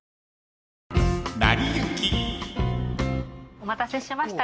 お待たせしました